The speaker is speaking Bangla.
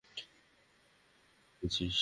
কবে জয়েন করছিস?